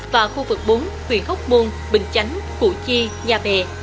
và khu vực bốn huyện khóc môn bình chánh củ chi nha bè